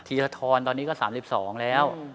ธรตอนนี้ก็๓๒แล้ว